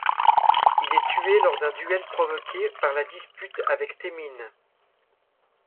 Il est tué lors d'un duel provoqué par la dispute avec Thémines.